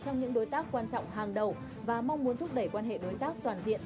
trong những đối tác quan trọng hàng đầu và mong muốn thúc đẩy quan hệ đối tác toàn diện